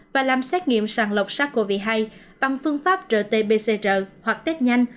và làm xét nghiệm sàng lọc sars cov hai bằng phương pháp rt pcr hoặc test nhanh